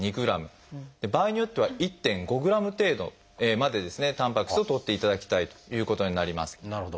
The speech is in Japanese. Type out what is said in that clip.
場合によっては１．５ｇ程度までたんぱく質をとっていただきたいということになります。